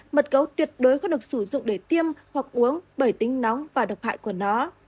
mật gấu tuyệt đối có được sử dụng để tiêm hoặc uống bởi tính nóng và độc hại của nó